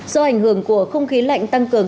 do ảnh hưởng của không khí lạnh tăng cường